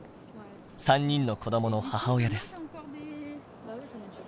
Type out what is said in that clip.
３人の子どもの母親です。